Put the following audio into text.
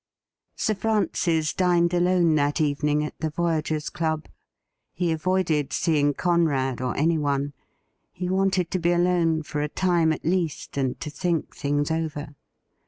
Sir Francis dined alone that evening at the Voyagers' Club. He avoided seeing Conrad or anyone ; he wanted to be alone for a time at least, and to think things over.